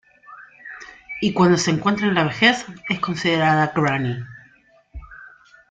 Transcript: Y cuando se encuentra en la vejez es considerada Granny.